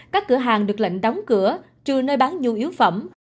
các cửa hàng được lệnh đóng cửa trừ nơi bán nhu yếu phẩm